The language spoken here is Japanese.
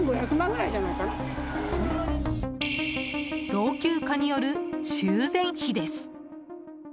老朽化による修繕費です。